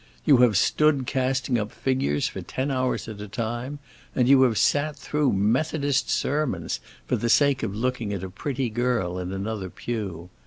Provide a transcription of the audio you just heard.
You have stood casting up figures for ten hours at a time, and you have sat through Methodist sermons for the sake of looking at a pretty girl in another pew.